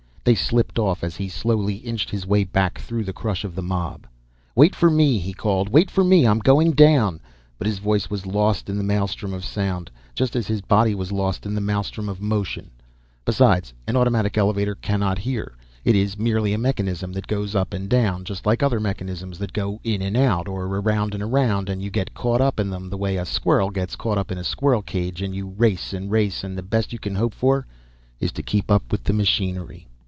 They slipped off as he slowly inched his way back through the crush of the mob. "Wait for me!" he called. "Wait for me, I'm going down!" But his voice was lost in the maelstrom of sound just as his body was lost in the maelstrom of motion. Besides, an automatic elevator cannot hear. It is merely a mechanism that goes up and down, just like the other mechanisms that go in and out, or around and around, and you get caught up in them the way a squirrel gets caught in a squirrel cage and you race and race, and the best you can hope for is to keep up with the machinery.